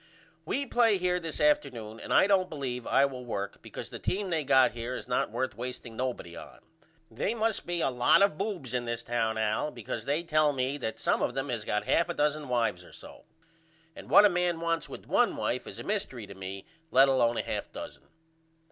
We play here this afternoon and I don't believe I will work because the team they got here is not worth wasteing nobody on. They must be a lot of boobs in this town Al because they tell me that some of them has got 1/2 a dozen wives or so. And what a man wants with 1 wife is a mistery to me let alone a 1/2 dozen.